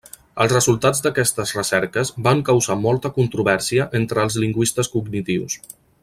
Els resultats d'aquestes recerques van causar molta controvèrsia entre els lingüistes cognitius.